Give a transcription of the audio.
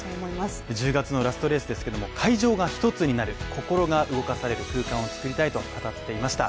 １０月のラストレースですけれども会場が１つになる、心が動かされる空間を作りたいと語っていました、